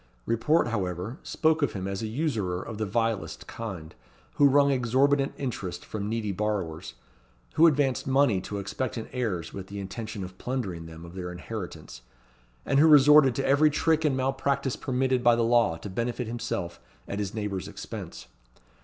Report, however, spoke of him as a usurer of the vilest kind, who wrung exorbitant interest from needy borrowers, who advanced money to expectant heirs, with the intention of plundering them of their inheritance, and who resorted to every trick and malpractice permitted by the law to benefit himself at his neighbour's expense.